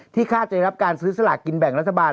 ที่คาดใจด้วยรับการซื้อสลากกินแบ่งรัฐบาล